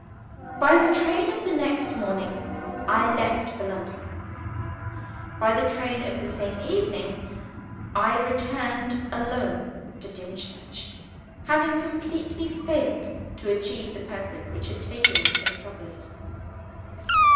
By the train of the next morning, I left for London. By the train of the same evening, I returned alone to Dimchurch; having completely failed to achieve the purpose which taken me to the metropolis.